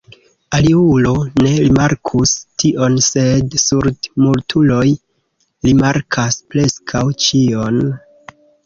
Aliulo ne rimarkus tion, sed surdmutuloj rimarkas preskaŭ ĉion.